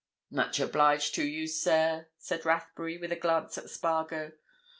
"Much obliged to you, sir," said Rathbury, with a glance at Spargo.